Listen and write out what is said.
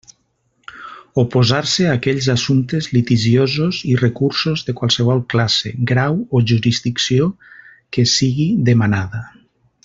Oposar-se a aquells assumptes litigiosos i recursos de qualsevol classe, grau o jurisdicció que sigui demanada.